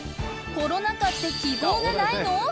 コロナ禍って希望がないの？